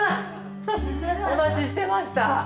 お待ちしてました。